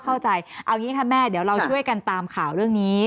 เข้าใจเอาอย่างนี้ค่ะแม่เดี๋ยวเราช่วยกันตามข่าวเรื่องนี้